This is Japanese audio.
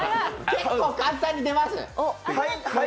結構簡単に出ます。